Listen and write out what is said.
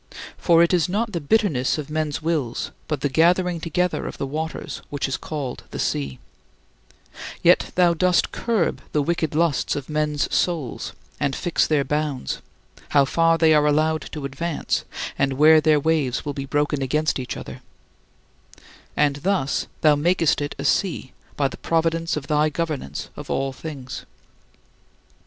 For it is not the bitterness of men's wills but the gathering together of the waters which is called "the sea"; yet thou dost curb the wicked lusts of men's souls and fix their bounds: how far they are allowed to advance, and where their waves will be broken against each other and thus thou makest it "a sea," by the providence of thy governance of all things.